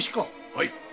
はい。